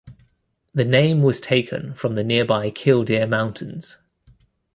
The name was taken from the nearby Killdeer Mountains.